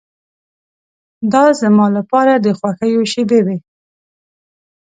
دا زما لپاره د خوښیو شېبې وې.